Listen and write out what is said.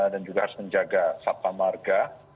dan juga harus menjaga satpam warga